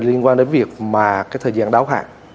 liên quan đến việc mà cái thời gian đáo hạn